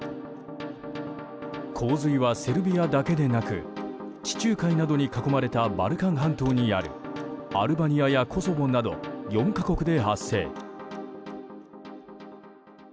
洪水はセルビアだけでなく地中海などに囲まれたバルカン半島にあるアルバニアやコソボなど４か国で発生。